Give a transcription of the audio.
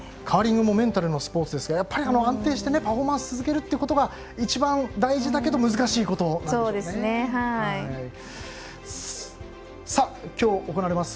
カーリングもメンタルのスポーツですがやっぱり安定してパフォーマンスを続けることは一番大事だけど難しいことなんでしょうね。